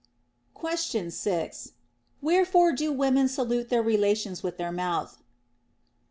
Question 6. Wherefore do women salute their relations with their mouth